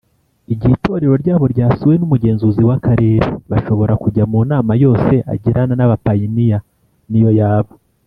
igihe itorero ryabo ryasuwe n umugenzuzi w akarere bashobora kujya mu nama yose agirana n abapayiniya niyo yaba